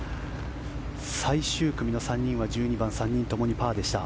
最終組の３人は１２番、３人ともにパーでした。